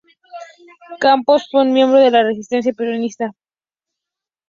Campos fue un miembro de la resistencia peronista.